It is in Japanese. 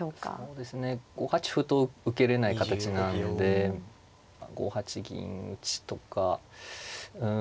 ５八歩と受けれない形なんで５八銀打とかうん